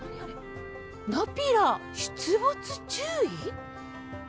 ナピラ出没注意？